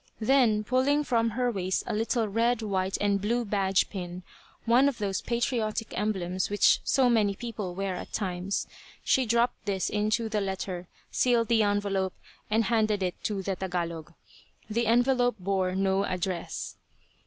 Then, pulling from her waist a little red, white and blue badge pin one of those patriotic emblems which so many people wear at times she dropped this into the letter, sealed the envelope, and handed it to the Tagalog. The envelope bore no address.